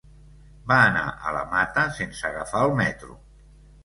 Va anar a la Mata sense agafar el metro.